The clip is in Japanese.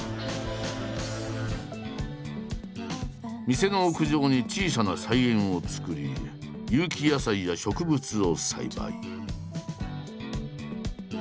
店の屋上に小さな菜園をつくり有機野菜や植物を栽培。